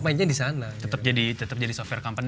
mainnya di sana tetap jadi software company